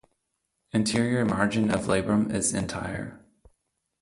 Anterior margin of labrum is entire.